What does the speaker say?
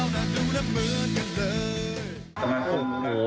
ก็แล้ว